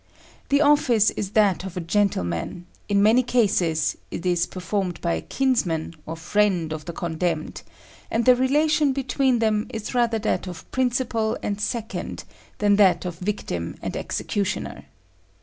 The office is that of a gentleman: in many cases it is performed by a kinsman or friend of the condemned, and the relation between them is rather that of principal and second than that of victim and executioner.